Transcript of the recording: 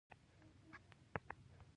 ایا ستاسو سیمه به امن نه وي؟